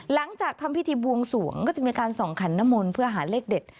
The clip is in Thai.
หลังจากทำพิธีบวงสวงก็จะมีการส่องขันนมลเพื่อหาเลขเด็ด